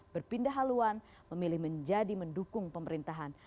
berpindah haluan memilih menjadi mendukung pemerintahan